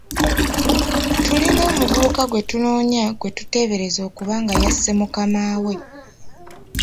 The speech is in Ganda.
Tulina omuvubuka gwe tunoonya gwe tuteebereza okuba nga yasse mukamaawe.